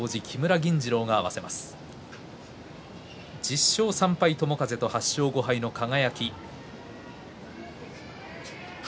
１０勝３敗の友風、８勝５敗の輝。